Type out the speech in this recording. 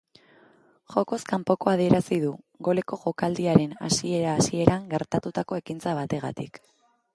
Jokoz kanpokoa adierazi du, goleko jokaldiaren hasiera-hasieran gertatutako ekintza bategatik.